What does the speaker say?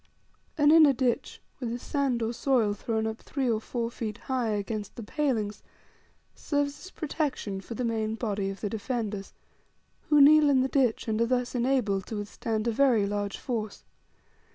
An inner ditch, with the sand or soil thrown up three or four feet high against the palings, serves as protection for the main body of the defenders, who kneel in the ditch, and are thus enabled to withstand a very large force.